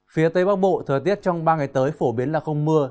phía tây bắc bộ thời tiết trong ba ngày tới phổ biến là không mưa